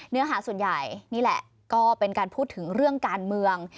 เนื้อหาส่วนใหญ่นี่แหละก็เป็นการพูดถึงเรื่องการเมือง